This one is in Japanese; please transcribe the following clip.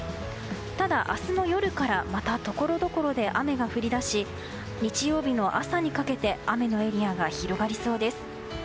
ただ、明日の夜からまたところどころで雨が降り出し日曜日の朝にかけて雨のエリアが広がりそうです。